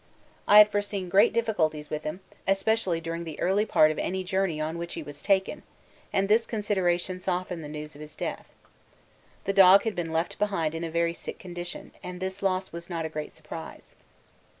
I had foreseen great difficulties with him, especially during the early part of any journey on which he was taken, and this consideration softened the news of his death. The dog had been left behind in a very sick condition, and this loss was not a great surprise.